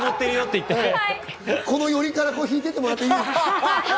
この余韻からひいてもらっていいですか？